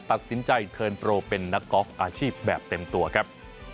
ตัดสินใจเทิร์นโปรเป็นนักกอล์ฟอาชีพแบบเต็มตัวครับ